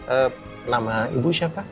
eee nama ibu siapa